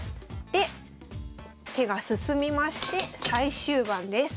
で手が進みまして最終盤です。